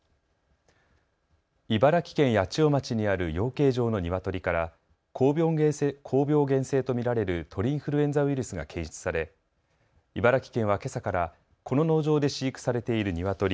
茨城県八千代町にある養鶏場のニワトリから高病原性と見られる鳥インフルエンザウイルスが検出され茨城県はけさからこの農場で飼育されているニワトリ